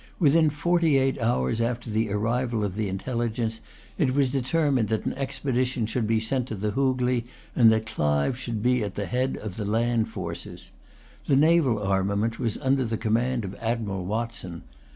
Within forty eight hours after the arrival of the intelligence it was determined that an expedition should be sent to the Hoogley, and that Clive should be at the head of the land forces. The naval armament was under the command of Admiral Watson.